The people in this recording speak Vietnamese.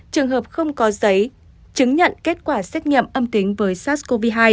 trường hợp không có giấy chứng nhận kết quả xét nghiệm âm tính với sars cov hai